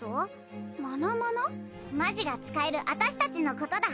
マジが使える私たちのことだ！